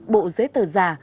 bộ giấy tờ giả